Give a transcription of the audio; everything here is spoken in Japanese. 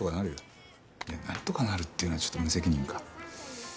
いや「なんとかなる」っていうのはちょっと無責任か。